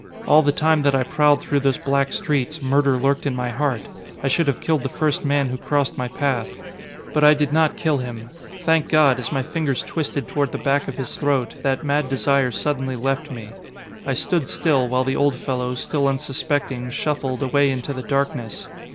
All the time that I prowled through those black streets, murder lurked in my heart. I should have killed the first man who crossed my path. But I did not kill him. Thank God, as my fingers twisted toward the back of his throat, that mad desire suddenly left me. I stood still, while the old fellow, still unsuspecting, shuffled, away into the darkness.